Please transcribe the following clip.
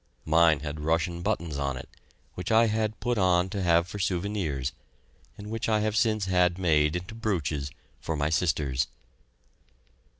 Mine had Russian buttons on it, which I had put on to have for souvenirs and which I have since had made into brooches for my sisters.